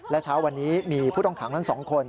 และเช้าวันนี้มีผู้ต้องขังทั้ง๒คน